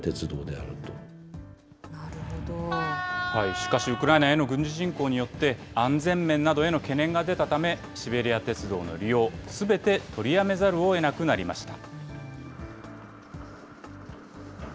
しかし、ウクライナへの軍事侵攻によって、安全面などへの懸念が出たため、シベリア鉄道の利用、すべて取りやめざるをえなくなりました。